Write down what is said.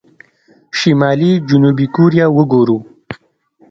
شمالي جنوبي کوريا وګورو.